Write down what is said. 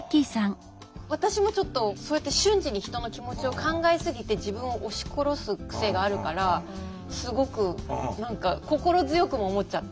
私もちょっとそうやって瞬時に人の気持ちを考えすぎて自分を押し殺す癖があるからすごく何か心強くも思っちゃった。